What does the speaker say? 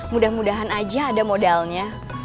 mudah mudahan aja ada modalnya